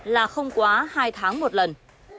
là không quá hai tháng một lần